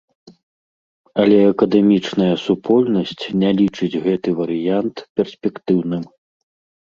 Але акадэмічная супольнасць не лічыць гэты варыянт перспектыўным.